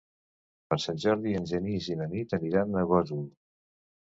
Per Sant Jordi en Genís i na Nit aniran a Gósol.